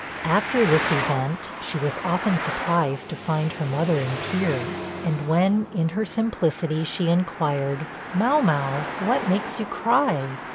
After this event, she was often surprised to find her mother in tears; and when, in her simplicity, she inquired, 'Mau mau, what makes you cry?'